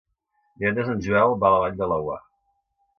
Divendres en Joel va a la Vall de Laguar.